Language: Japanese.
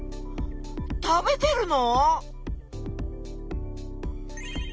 食べてるの？